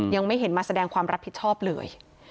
ยังไม่เห็นมาแสดงความรับผิดชอบเลย